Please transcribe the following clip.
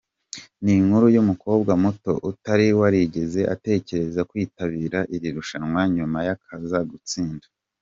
Ni inkuru y’umukobwa muto, utari warigeze atekereza kwitabira iri rushanwa nyuma akaza gutsinda.